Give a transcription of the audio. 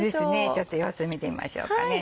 ちょっと様子見てみましょうかね。